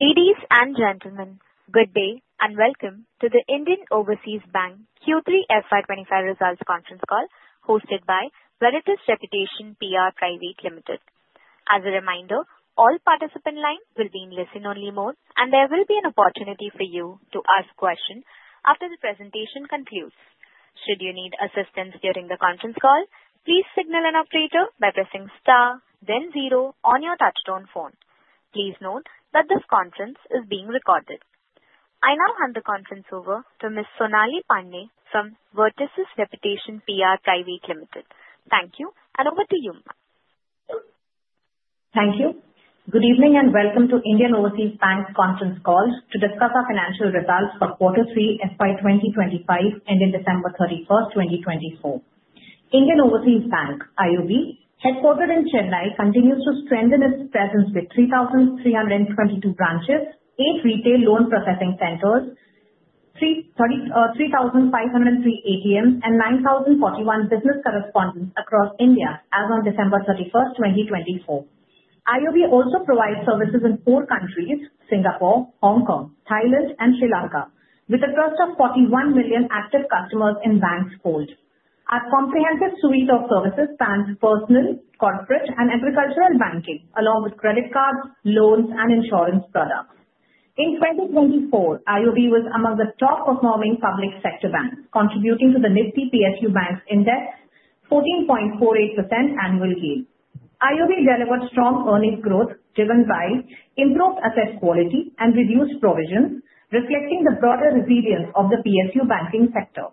Ladies and gentlemen, good day and welcome to the Indian Overseas Bank Q3 FY25 Results Conference Call hosted by Veritas Reputation PR Private Limited. As a reminder, all participants' lines will be in listen-only mode, and there will be an opportunity for you to ask questions after the presentation concludes. Should you need assistance during the conference call, please signal an operator by pressing star, then zero on your touch-tone phone. Please note that this conference is being recorded. I now hand the conference over to Ms. Sunny Parekh from Veritas Reputation PR Private Limited. Thank you, and over to you. Thank you. Good evening and welcome to Indian Overseas Bank's Conference Call to discuss our Financial Results for Q3 FY 2025 ending December 31st, 2024. Indian Overseas Bank, IOB, headquartered in Chennai, continues to strengthen its presence with 3,322 branches, eight retail loan processing centers, 3,503 ATMs, and 9,041 business correspondents across India as of December 31st, 2024. IOB also provides services in four countries: Singapore, Hong Kong, Thailand, and Sri Lanka, with a trust of 41 million active customers in bank's fold. Our comprehensive suite of services spans personal, corporate, and agricultural banking, along with credit cards, loans, and insurance products. In 2024, IOB was among the top-performing public sector banks, contributing to the Nifty PSU Bank Index: 14.48% annual gain. IOB delivered strong earnings growth driven by improved asset quality and reduced provisions, reflecting the broader resilience of the PSU banking sector.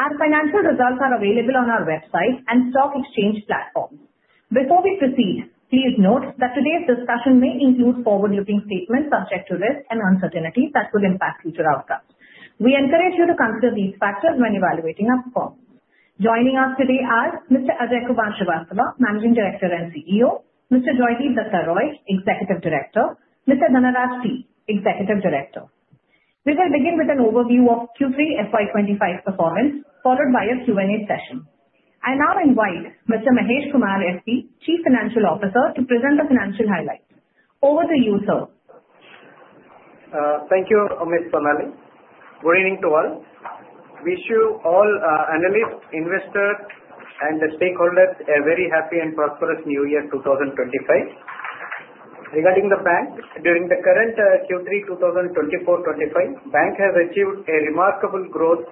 Our financial results are available on our website and stock exchange platforms. Before we proceed, please note that today's discussion may include forward-looking statements subject to risks and uncertainties that could impact future outcomes. We encourage you to consider these factors when evaluating our performance. Joining us today are Mr. Ajay Kumar Srivastava, Managing Director and CEO. Mr. Joydeep Dutta Roy, Executive Director. Mr. Dhanaraj T., Executive Director. We will begin with an overview of Q3 FY25 performance, followed by a Q&A session. I now invite Mr. Mahesh Kumar S. P., Chief Financial Officer, to present the financial highlights. Over to you, sir. Thank you, Ms. Sunny. Good evening to all. Wish you all, analysts, investors, and stakeholders, a very happy and prosperous New Year 2025. Regarding the bank, during the current Q3 2024-2025, the bank has achieved a remarkable growth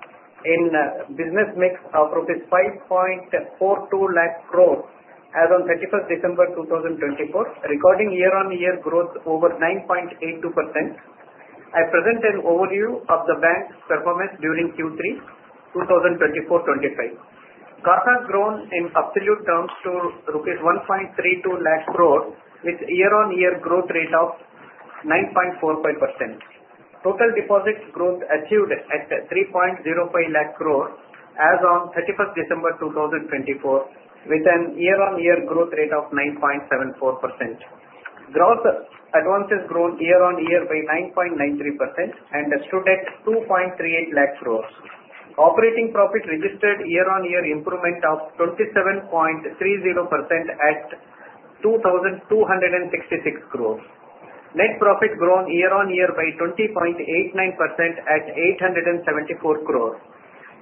in business mix of rupees 5.42 lakh crore as of 31st December 2024, recording year-on-year growth over 9.82%. I present an overview of the bank's performance during Q3 2024-25. CASA has grown in absolute terms to rupees 1.32 lakh crore, with a year-on-year growth rate of 9.45%. Total deposit growth achieved at 3.05 lakh crore as of 31st December 2024, with a year-on-year growth rate of 9.74%. Gross advances grown year-on-year by 9.93% and stood at 2.38 lakh crore. Operating profit registered year-on-year improvement of 27.30% at 2,266 crore. Net profit grown year-on-year by 20.89% at 874 crore.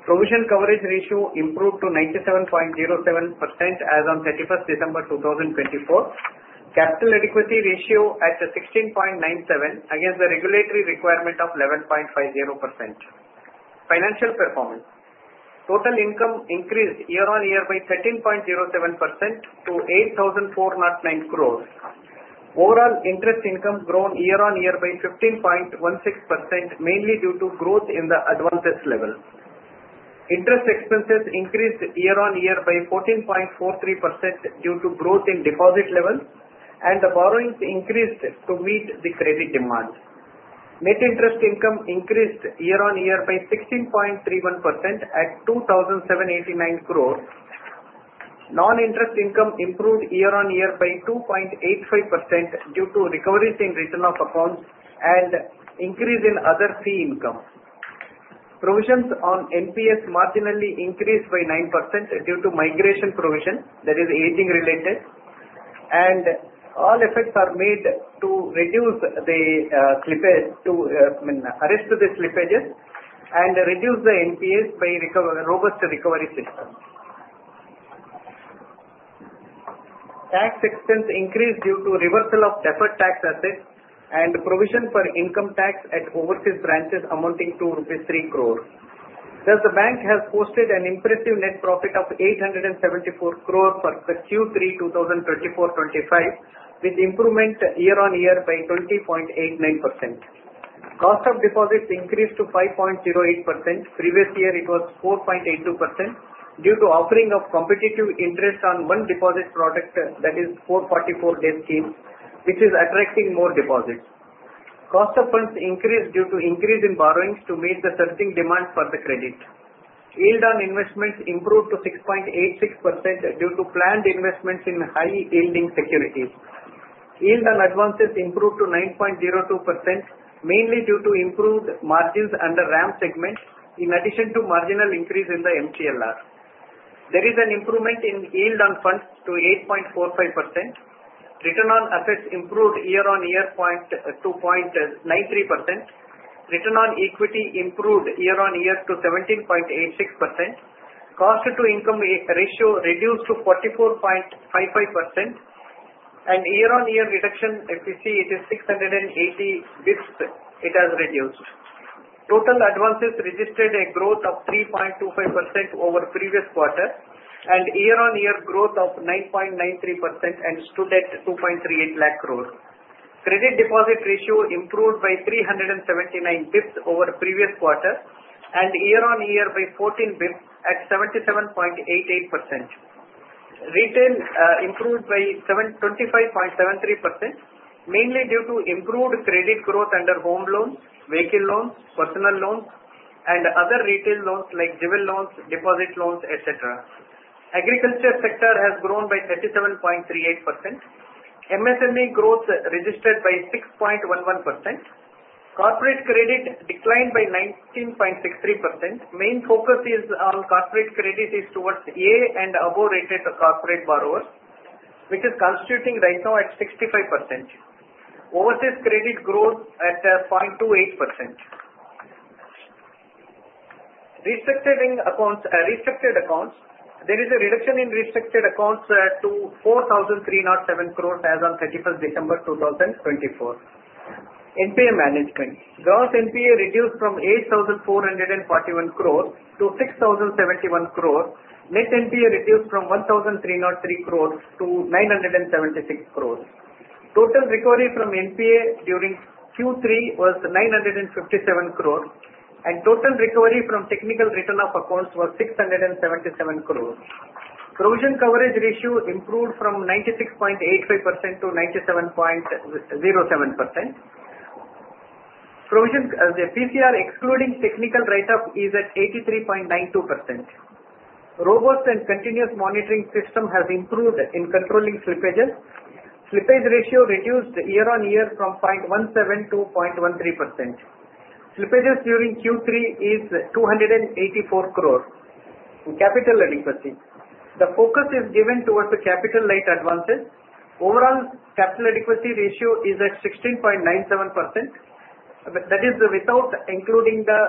Provision coverage ratio improved to 97.07% as of 31st December 2024. Capital adequacy ratio at 16.97% against the regulatory requirement of 11.50%. Financial performance: total income increased year-on-year by 13.07% to 8,409 crore. Overall interest income grown year-on-year by 15.16%, mainly due to growth in the advances level. Interest expenses increased year-on-year by 14.43% due to growth in deposit level, and the borrowings increased to meet the credit demand. Net interest income increased year-on-year by 16.31% at 2,789 crore. Non-interest income improved year-on-year by 2.85% due to recoveries in written-off accounts and increase in other fee income. Provisions on NPAs marginally increased by 9% due to migration provision that is aging-related, and all efforts are made to reduce the slippage, to arrest the slippages, and reduce the NPAs by robust recovery system. Tax expense increased due to reversal of deferred tax assets and provision for income tax at overseas branches amounting to rupees 3 crore. Thus, the bank has posted an impressive net profit of 874 crore for Q3 2024-25, with improvement year-on-year by 20.89%. Cost of deposits increased to 5.08%. Previous year, it was 4.82% due to offering of competitive interest on one deposit product, that is 444-day schemes, which is attracting more deposits. Cost of funds increased due to increase in borrowings to meet the surging demand for the credit. Yield on investments improved to 6.86% due to planned investments in high-yielding securities. Yield on advances improved to 9.02%, mainly due to improved margins under RAM segment, in addition to marginal increase in the MCLR. There is an improvement in yield on funds to 8.45%. Return on assets improved year-on-year by 2.93%. Return on equity improved year-on-year by 17.86%. Cost-to-income ratio reduced to 44.55%, and year-on-year reduction efficiency is 680 basis points. It has reduced. Total advances registered a growth of 3.25% over previous quarter and year-on-year growth of 9.93% and stood at 2.38 lakh crore. Credit deposit ratio improved by 379 basis points over previous quarter and year-on-year by 14 basis points at 77.88%. Retail improved by 25.73%, mainly due to improved credit growth under home loans, vehicle loans, personal loans, and other retail loans like jewel loans, deposit loans, etc. Agriculture sector has grown by 37.38%. MSME growth registered by 6.11%. Corporate credit declined by 19.63%. Main focus on corporate credit is towards A and above-rated corporate borrowers, which is constituting right now at 65%. Overseas credit growth at 0.28%. Restricted accounts: there is a reduction in restructured accounts to 4,307 crore as of 31st December 2024. NPA management: gross NPA reduced from 8,441 crore to 6,071 crore. Net NPA reduced from 1,303 crore to 976 crore. Total recovery from NPA during Q3 was 957 crore, and total recovery from technical write-off of accounts was 677 crore. Provision coverage ratio improved from 96.85% to 97.07%. Provision PCR excluding technical write-off is at 83.92%. Robust and continuous monitoring system has improved in controlling slippages. Slippage ratio reduced year-on-year from 0.17 to 0.13%. Slippages during Q3 is 284 crore. Capital adequacy: the focus is given towards the capital-light advances. Overall capital adequacy ratio is at 16.97%. That is without including the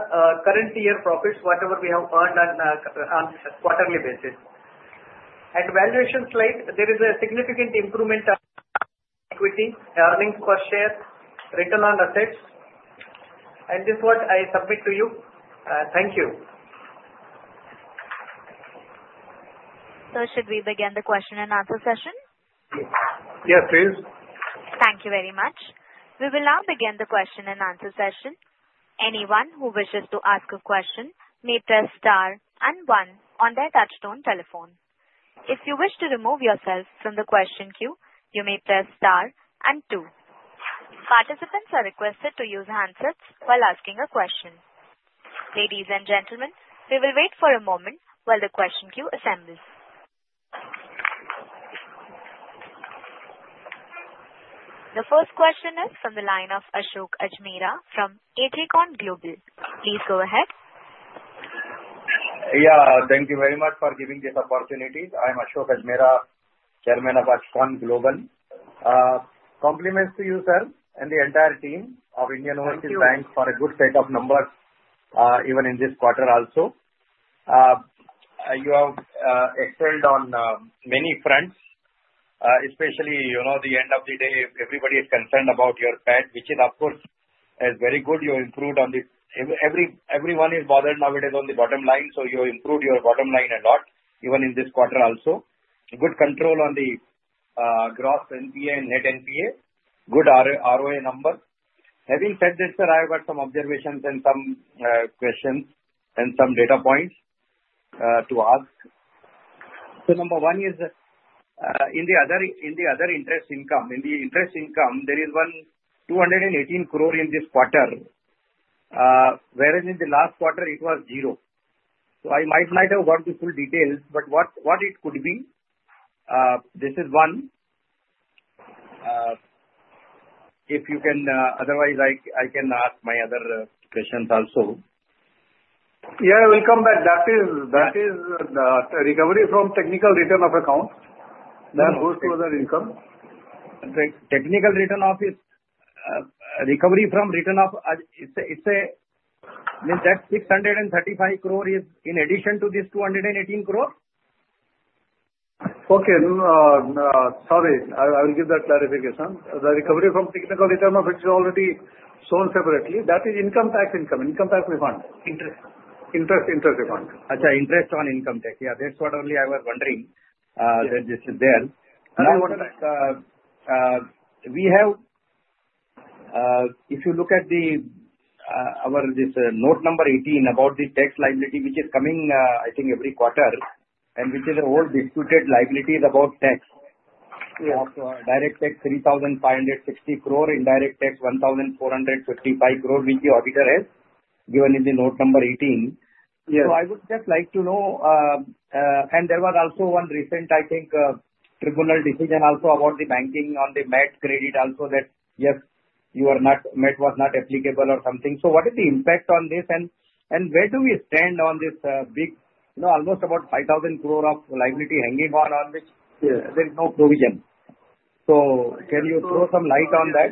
current year profits, whatever we have earned on a quarterly basis. At valuation slide, there is a significant improvement of equity, earnings per share, return on assets. And this is what I submit to you. Thank you. Sir, should we begin the question and answer session? Yes, please. Thank you very much. We will now begin the question and answer session. Anyone who wishes to ask a question may press star and one on their touch-tone telephone. If you wish to remove yourself from the question queue, you may press star and two. Participants are requested to use handsets while asking a question. Ladies and gentlemen, we will wait for a moment while the question queue assembles. The first question is from the line of Ashok Ajmera from Ajcon Global Services. Please go ahead. Yeah, thank you very much for giving this opportunity. I'm Ashok Ajmera, Chairman of Ajcon Global. Compliments to you, sir, and the entire team of Indian Overseas Bank for a good set of numbers, even in this quarter also. You have excelled on many fronts, especially at the end of the day, everybody is concerned about your path, which is, of course, very good. You improved on the everyone is bothered nowadays on the bottom line, so you improved your bottom line a lot, even in this quarter also. Good control on the gross NPA and net NPA, good ROA number. Having said this, sir, I have got some observations and some questions and some data points to ask. So number one is in the other interest income, in the interest income, there is 218 crore in this quarter, whereas in the last quarter, it was zero. So I might not have got the full details, but what it could be, this is one. If you can, otherwise, I can ask my other questions also. Yeah, welcome back. That is the recovery from technical write-off of accounts. That goes to other income. Technical write-off is recovery from write-off it's a means that 635 crore is in addition to this 218 crore? Okay, sorry, I will give that clarification. The recovery from technical write-off of it is already shown separately. That is income tax income, income tax refund. Interest. Interest, interest refund. Ajay, interest on income tax. Yeah, that's what only I was wondering that this is there. We have, if you look at our this note number 18 about the tax liability, which is coming, I think, every quarter, and which is a whole disputed liability about tax. Yes. Direct tax 3,560 crore, indirect tax 1,455 crore, which the auditor has given in the note number 18. Yes. So I would just like to know, and there was also one recent, I think, tribunal decision also about the banking on the MAT credit also that, yes, you are not MAT was not applicable or something. So what is the impact on this, and where do we stand on this big almost about 5,000 crore of liability hanging on which there is no provision? So can you throw some light on that?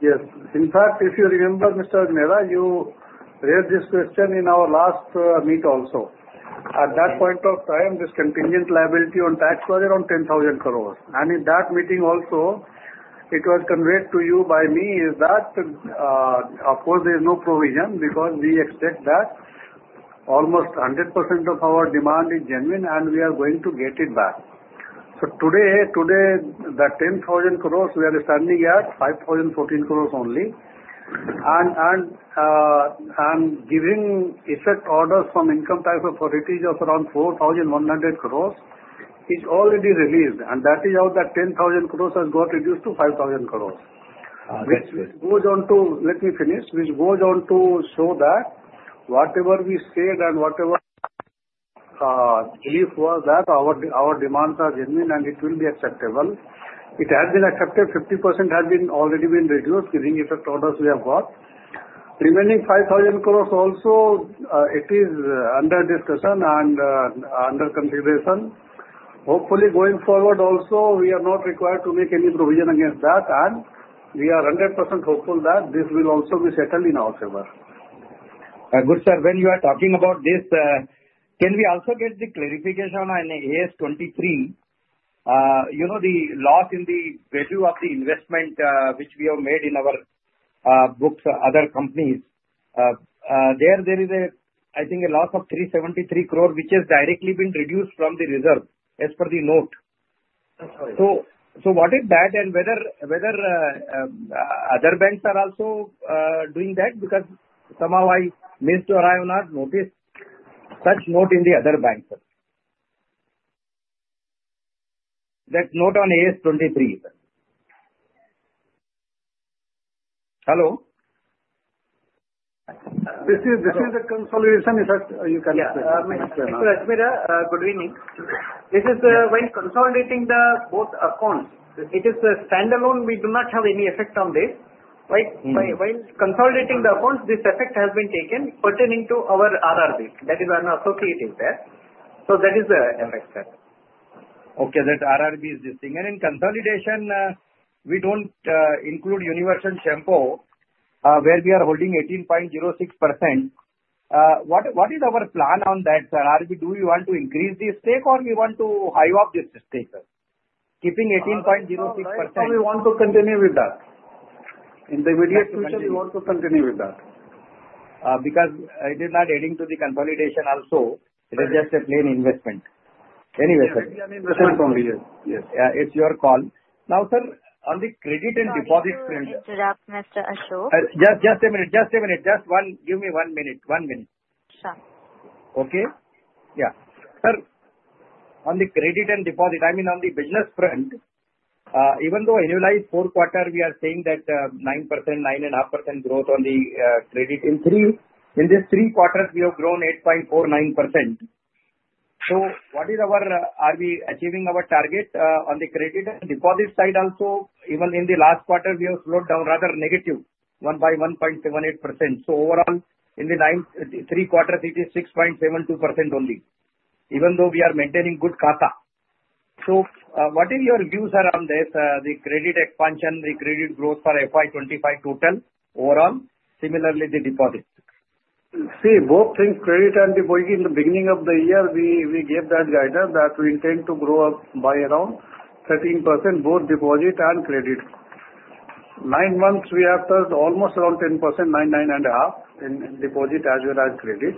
Yes. In fact, if you remember, Mr. Ajmera, you raised this question in our last meeting also. At that point of time, this contingent liability on tax was around 10,000 crore, and in that meeting also, it was conveyed to you by me is that, of course, there is no provision because we expect that almost 100% of our demand is genuine, and we are going to get it back, so today, the 10,000 crore, we are standing at 5,014 crore only, and giving effect orders from income tax authorities of around 4,100 crore is already released, and that is how the 10,000 crore has got reduced to 5,000 crore. Which goes on to let me finish. Which goes on to show that whatever we said and whatever belief was that our demands are genuine and it will be acceptable. It has been accepted. 50% has already been reduced, giving effect to orders we have got. Remaining 5,000 crore also, it is under discussion and under consideration. Hopefully, going forward also, we are not required to make any provision against that, and we are 100% hopeful that this will also be settled in our favor. Good, sir. When you are talking about this, can we also get the clarification on AS 23? You know the loss in the value of the investment which we have made in our books, other companies. There is a, I think, a loss of 373 crore, which has directly been reduced from the reserve, as per the note. That's correct. So what is that, and whether other banks are also doing that? Because somehow I missed or I have not noticed such note in the other banks. That note on AS 23. Hello? This is the consolidation, if you can explain. Yeah, Mr. Ajmera, good evening. This is when consolidating both accounts. It is standalone. We do not have any effect on this. While consolidating the accounts, this effect has been taken pertaining to our RRB. That is an associate in there. So that is the effect that. Okay, that RRB is this thing. And in consolidation, we don't include Universal Sompo, where we are holding 18.06%. What is our plan on that, sir? Do we want to increase this stake, or we want to hold up this stake, sir? Keeping 18.06%. We want to continue with that. In the immediate future, we want to continue with that. Because I did not add into the consolidation also. It is just a plain investment. Anyway, sir. Yes, you can invest it only. Yes, yes. It's your call. Now, sir, on the credit and deposit front. Mr. Ashok? Just a minute. Just a minute. Just give me one minute. One minute. Sure. Okay. Yeah. Sir, on the credit and deposit, I mean, on the business front, even though annualized four quarter, we are saying that 9%-9.5% growth on the credit. In this three quarters, we have grown 8.49%. So, are we achieving our target on the credit and deposit side also? Even in the last quarter, we have slowed down rather negative 1.78%. So overall, in the three quarters, it is 6.72% only, even though we are maintaining good CASA. So what are your views around this, the credit expansion, the credit growth for FY25 total overall, similarly the deposit? See, both things, credit and deposit, in the beginning of the year, we gave that guidance that we intend to grow up by around 13%, both deposit and credit. Nine months we have almost around 10%, 9%, 9.5% in deposit as well as credit.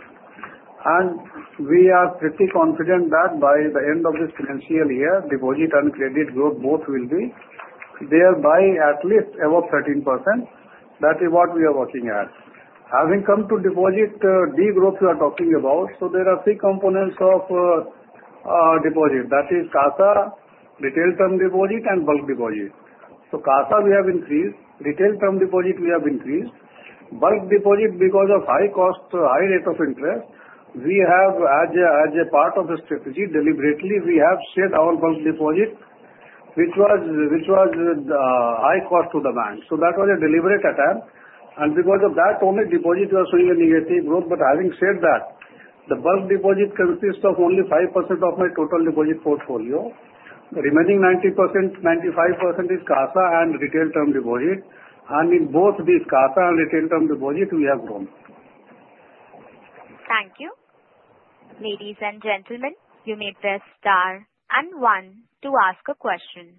And we are pretty confident that by the end of this financial year, deposit and credit growth both will be there by at least above 13%. That is what we are working at. Having come to deposit degrowth we are talking about, so there are three components of deposit. That is CASA, retail term deposit, and bulk deposit. So CASA we have increased. Retail term deposit we have increased. Bulk deposit, because of high cost, high rate of interest, we have, as a part of the strategy, deliberately, we have shed our bulk deposit, which was high cost to the bank. That was a deliberate attempt. And because of that, only deposit was showing a negative growth. But having said that, the bulk deposit consists of only 5% of my total deposit portfolio. Remaining 90%, 95% is CASA and retail term deposit. And in both these, CASA and retail term deposit, we have grown. Thank you. Ladies and gentlemen, you may press star and one to ask a question.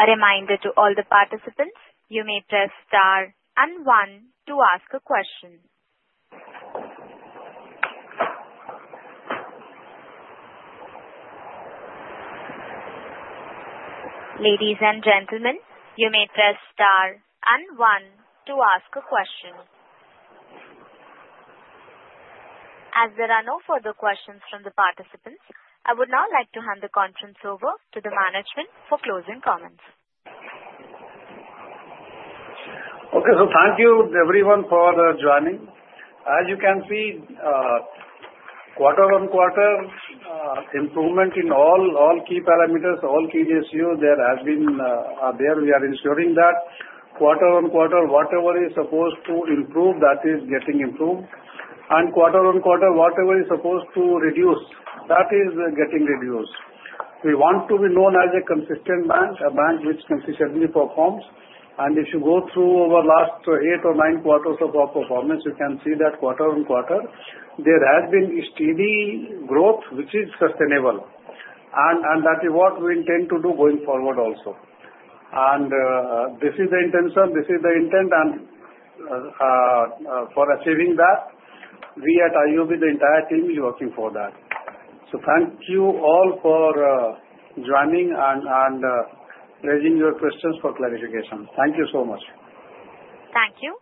A reminder to all the participants, you may press star and one to ask a question. Ladies and gentlemen, you may press star and one to ask a question. As there are no further questions from the participants, I would now like to hand the conference over to the management for closing comments. Okay, so thank you, everyone, for joining. As you can see, quarter on quarter, improvement in all key parameters, all key ratios, there has been there. We are ensuring that quarter on quarter, whatever is supposed to improve, that is getting improved. And quarter on quarter, whatever is supposed to reduce, that is getting reduced. We want to be known as a consistent bank, a bank which consistently performs. And if you go through over the last eight or nine quarters of our performance, you can see that quarter on quarter, there has been steady growth, which is sustainable. And that is what we intend to do going forward also. And this is the intention. This is the intent. And for achieving that, we at IOB, the entire team, is working for that. So thank you all for joining and raising your questions for clarification. Thank you so much. Thank you.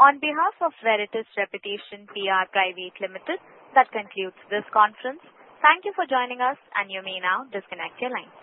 On behalf of Veritas Reputation PR Private Limited, that concludes this conference. Thank you for joining us, and you may now disconnect your line.